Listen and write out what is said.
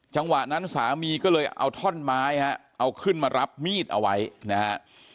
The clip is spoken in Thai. จังหวะนั้นสามีก็เลยเอาท่อนไม้ฮะเอาขึ้นมารับมีดเอาไว้นะฮะ